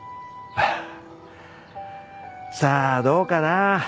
さあどうかな。